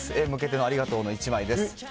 へ向けてのありがとうの１枚です。